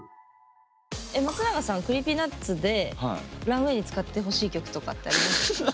松永さんＣｒｅｅｐｙＮｕｔｓでランウェイに使ってほしい曲とかってあります？